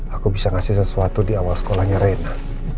aku bisa ngasih sesuatu di awal sekolahnya reina